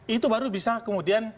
itu baru bisa kemudian